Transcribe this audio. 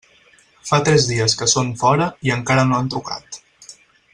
Fa tres dies que són fora i encara no han trucat.